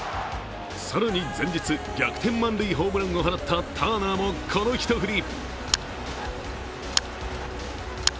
更に前日逆転満塁ホームランを放ったターナーもこの一振り。